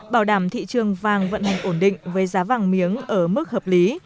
bảo đảm thị trường vàng vận hành ổn định với giá vàng miếng ở mức hợp lý